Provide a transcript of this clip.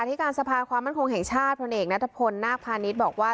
ที่การสภาความมั่นคงแห่งชาติพลเอกนัทพลนาคพาณิชย์บอกว่า